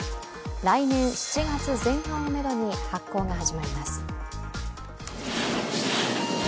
来年７月前半をめどに発行が始まります。